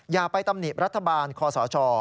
อย่าไปตำหนิรัฐบาลคอสช